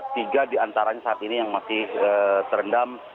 tiga di antaranya saat ini yang masih terendam